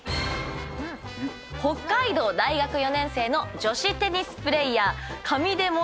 北海道大学４年生の女子テニスプレーヤー。